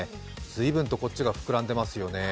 ずいぶんとこっちが膨らんでいますよね。